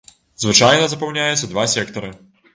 Звычайна запаўняецца два сектары.